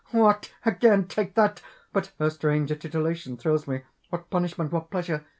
what! again. Take that! But how strange a titillation thrills me! What punishment! what pleasure!